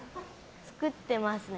作ってますね。